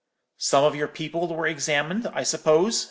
"'Some of your people were examined, I suppose?'